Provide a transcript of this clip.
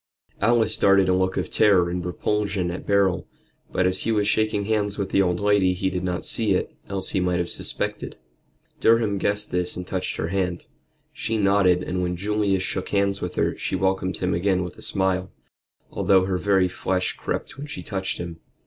Alice darted a look of terror and repulsion at Beryl, but as he was shaking hands with the old lady he did not see it, else he might have suspected. Durham guessed this and touched her hand. She nodded, and when Julius shook hands with her she welcomed him again with a smile, although her very flesh crept when she touched him.